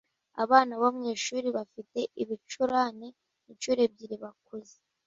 Abana bo mwishuri bafite ibicurane inshuro ebyiri bakuze